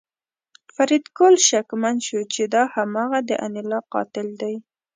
فریدګل شکمن شو چې دا هماغه د انیلا قاتل دی